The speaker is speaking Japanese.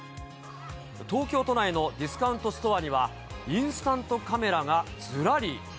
東京都内のディスカウントストアには、インスタントカメラがずらり。